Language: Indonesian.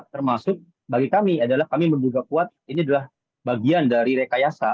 termasuk bagi kami adalah kami menduga kuat ini adalah bagian dari rekayasa